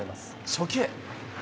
初球。